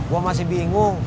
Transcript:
gue masih bingung